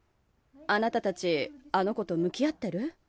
あなたたちあの子とむき合ってる？